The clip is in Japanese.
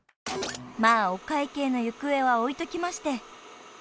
［まあお会計の行方は置いときまして］